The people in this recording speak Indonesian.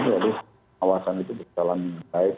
jadi pengawasan itu berjalan baik